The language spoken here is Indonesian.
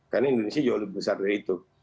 karena indonesia jauh lebih besar dari itu